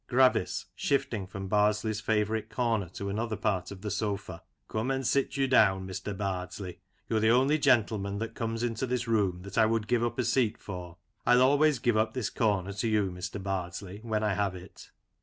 Gravis (shifting from Bardslefs favourite corner to another part of the sofa) : Come and sit you down, Mr. Bardsley, you're the only gentleman that comes into this room that I would give up a seat for. I'll always give up this corner to you, Mr. Bardsley, when I have it.